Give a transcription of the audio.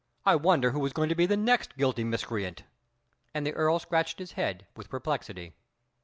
I wonder who is going to be the next guilty miscreant!" And the Earl scratched his head with perplexity.